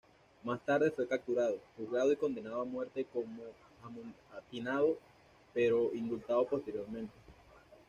Más tarde fue capturado, juzgado y condenado a muerte como amotinado, pero indultado posteriormente.